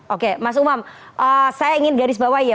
oke mas umam saya ingin garis bawah ya